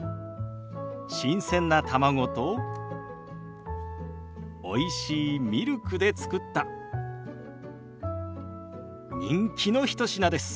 新鮮な卵とおいしいミルクで作った人気の一品です。